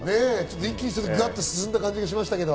一気にガッと進んだ感じがしましたけど。